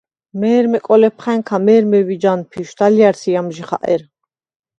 მე̄რმა კოლეფხა̈ნქა მე̄რმე ვიჯ ანფიშვდ, ალჲა̈რსი ამჟი ხაყერ.